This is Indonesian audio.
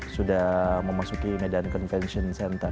sudah memasuki medan convention center